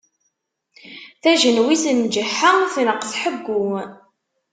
Tajenwitt n ǧeḥḥa tneqq tḥeggu.